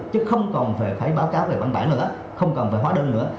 chứ không còn phải báo cáo về bản bản nữa không còn phải hóa đơn nữa